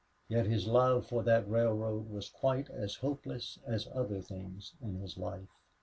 Yet his love for that railroad was quite as hopeless as other things in his life.